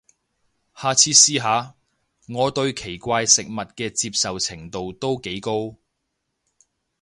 下次試下，我對奇怪食物嘅接受程度都幾高